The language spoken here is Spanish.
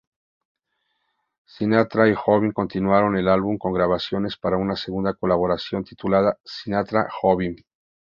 Sinatra y Jobim continuaron el álbum con grabaciones para una segunda colaboración, titulada "Sinatra-Jobim".